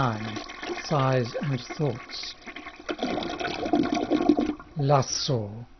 Ti so: SIGHS AND THOUGHTS Lasso